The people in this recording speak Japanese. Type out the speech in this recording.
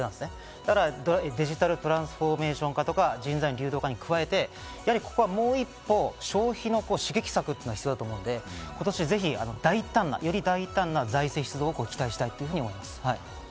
ただデジタルトランスフォーメーション化とか人材流動化に加えてここはもう一歩、消費の刺激策が必要だと思うので、今年ぜひより大胆な財政出動を期待したいと思います。